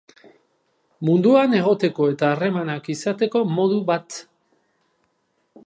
Munduan egoteko eta harremanak izateko modu bat.